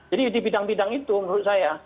jadi di bidang bidang itu menurut saya